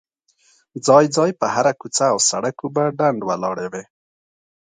ځای ځای په هره کوڅه او سړ ک اوبه ډنډ ولاړې وې.